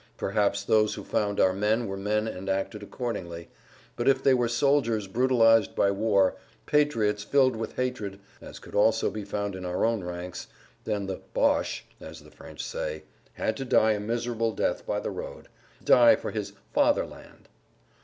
Perhaps those who found our men were men and acted accordingly, but if they were soldiers brutalized by war, patriots filled with hatred, as could also be found in our own ranks, then the "boche" (as the French say) had to die a miserable death by the road, die for his "Fatherland."